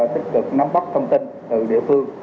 tích cực nắm bắt thông tin từ địa phương